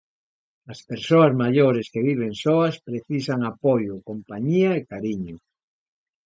As persoas maiores que viven soas precisan apoio, compañía e cariño.